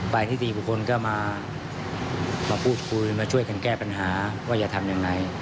ที่ดีบุคคลก็มาพูดคุยมาช่วยกันแก้ปัญหาว่าจะทำยังไง